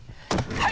はい！